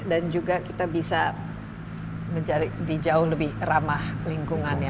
dan juga kita bisa menjadi di jauh lebih ramah lingkungan ya